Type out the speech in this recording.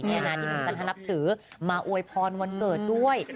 นี่นะที่หนุ่มจันทรนับถือมาอวยพรวันเกิดด้วย